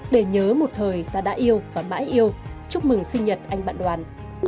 để nhớ một thời ta đã yêu và mãi yêu chúc mừng sinh nhật anh bạn đoàn